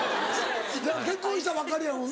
結婚したばっかりやもんな。